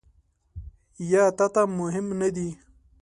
یا تا ته مهم نه دي ؟